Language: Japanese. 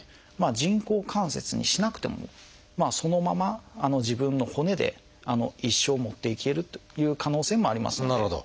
人工関節にしなくてもそのまま自分の骨で一生もっていけるという可能性もありますので。